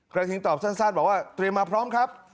กระทิงตอบสั้นบอกว่าเตรียมมาพร้อมครับ